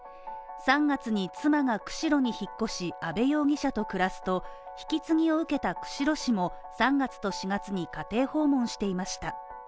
３月に妻が釧路に引っ越し阿部容疑者と暮らすと引き継ぎを受けた釧路市も、３月と４月に家庭訪問していました。